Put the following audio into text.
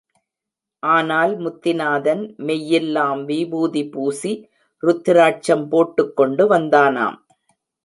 ஆனால் முத்திநாதன் மெய்யெல்லாம் விபூதி பூசி, ருத்திராட்சம் போட்டுக் கொண்டு வந்தானாம்.